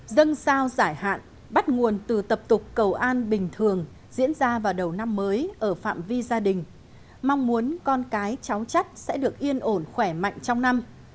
dân sao giải hạn bắt nguồn từ tập tục cầu an bình thường diễn ra vào đầu năm mới ở phạm vi gia đình mong muốn con cái cháu chất sẽ được yên ổn khỏe mạnh trong năm